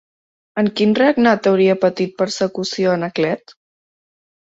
En quin regnat hauria patit persecució Anaclet?